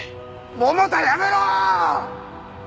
百田やめろ‼